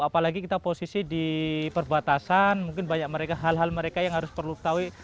apalagi kita posisi di perbatasan mungkin banyak mereka hal hal mereka yang harus perlu ketahui